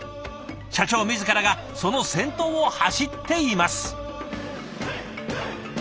社長自らがその先頭を走っています。